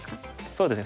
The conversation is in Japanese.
そうですね。